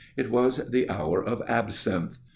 It was the hour of absinthe.